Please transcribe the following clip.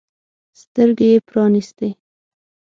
سترګې يې پرانیستې.